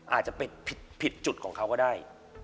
อาจจะไปผิดจุดของเขาก็ได้